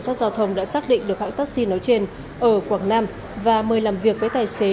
cảnh sát giao thông đã xác định được hãng taxi nói trên ở quảng nam và mời làm việc với tài xế